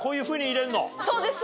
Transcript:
そうです